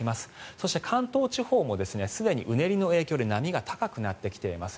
そして関東地方もすでにうねりの影響で波が高くなってきています。